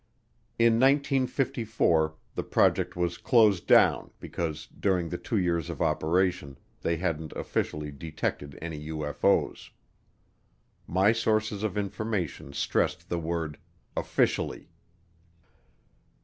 In 1954 the project was closed down because during the two years of operation they hadn't officially detected any UFO's. My sources of information stressed the word "officially."